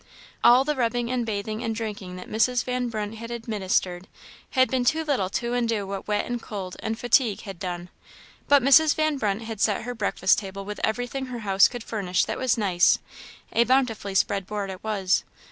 All the rubbing and bathing and drinking that Mrs. Van Brunt had administered, had been too little to undo what wet and cold and fatigue had done. But Mrs. Van Brunt had set her breakfast table with everything her house could furnish that was nice; a bountifully spread board it was.